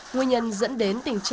nguyên nhân dẫn đến tình trạng